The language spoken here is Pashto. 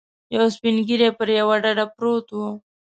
یو سپین ږیری پر یوه ډډه پروت و.